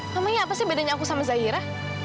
kamunya apa sih bedanya aku sama zaira